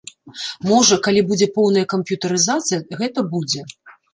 Можа, калі будзе поўная камп'ютарызацыя, гэта будзе.